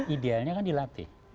idealnya kan dilatih